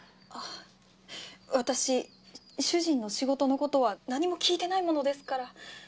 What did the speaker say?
私主人の仕事の事は何も聞いてないものですから。